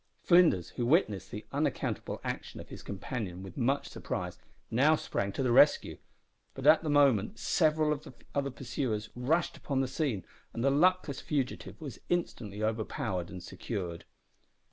Flinders, who witnessed the unaccountable action of his companion with much surprise, now sprang to the rescue, but at the moment several of the other pursuers rushed upon the scene, and the luckless fugitive was instantly overpowered and secured.